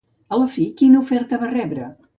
A la fi, quina oferta va rebre?